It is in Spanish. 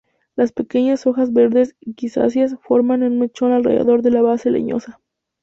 Las pequeñas hojas verdes grisáceas forman un mechón alrededor de la base leñosa.